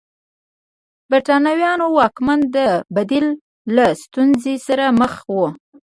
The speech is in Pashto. برېټانوي واکمنان د بدیل له ستونزې سره مخ وو.